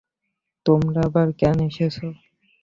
তোমরা আবার কেন এসেছো?